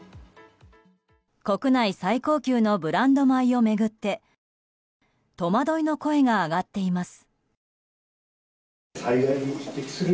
国内最高級のブランド米を巡って戸惑いの声が上がっています。